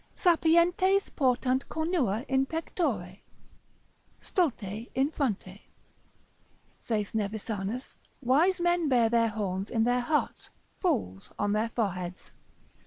Sapientes portant cornua in pectore, stulti in fronte, saith Nevisanus, wise men bear their horns in their hearts, fools on their foreheads.